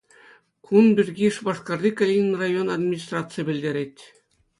Кун пирки Шупашкарти Калинин район администрацийӗ пӗлтерет.